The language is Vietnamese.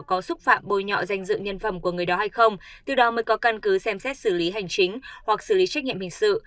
có xúc phạm bồi nhọ danh dự nhân phẩm của người đó hay không từ đó mới có căn cứ xem xét xử lý hành chính hoặc xử lý trách nhiệm hình sự